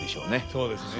そうですね。